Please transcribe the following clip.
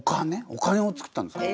お金をつくったんですか？